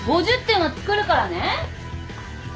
５０点は作るからね。